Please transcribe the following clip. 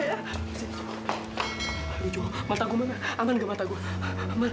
aduh jo mata gua mana aman ga mata gua